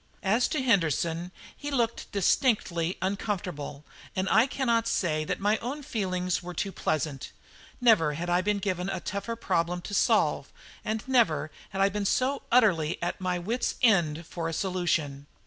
As to Henderson, he looked distinctly uncomfortable, and I cannot say that my own feelings were too pleasant. Never had I been given a tougher problem to solve, and never had I been so utterly at my wits' end for a solution.